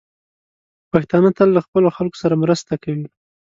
پښتانه تل له خپلو خلکو سره مرسته کوي.